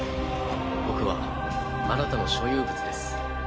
僕はあなたの所有物です。